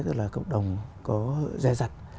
cộng đồng có dè dặt